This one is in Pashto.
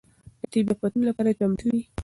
د طبيعي افتونو لپاره چمتو و.